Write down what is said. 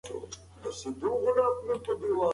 د بازار نوي فشارونه مې د پرمختګ وسیله وګرځول.